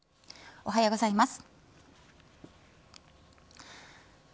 おはようございます。